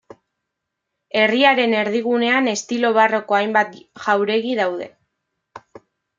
Herriaren erdigunean estilo barroko hainbat jauregi daude.